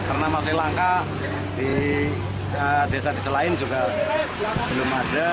karena masih langka di desa desa lain juga belum ada